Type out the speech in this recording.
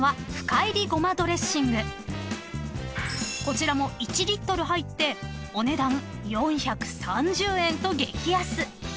［こちらも１リットル入ってお値段４３０円と激安］